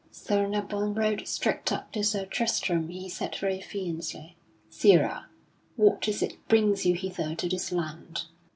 Sir Nabon rode straight up to Sir Tristram and he said very fiercely, "Sirrah, what is it brings you hither to this land?"